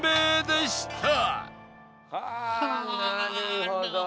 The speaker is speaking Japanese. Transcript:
なるほど。